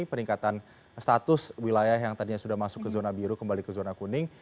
peningkatan status wilayah yang tadinya sudah masuk ke zona biru kembali ke zona kuning